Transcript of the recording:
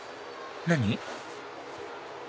何？